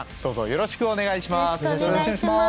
よろしくお願いします。